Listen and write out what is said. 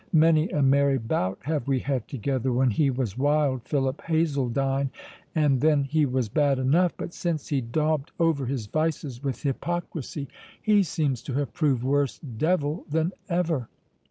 —Many a merry bout have we had together when he was wild Philip Hazeldine, and then he was bad enough; but since he daubed over his vices with hypocrisy, he seems to have proved worse devil than ever."